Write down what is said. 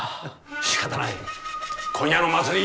しかたない今夜の祭り